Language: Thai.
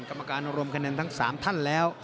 กรรมการรวมคะแนนทั้ง๓ท่านแล้ว